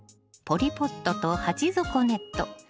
ポリポットと鉢底ネット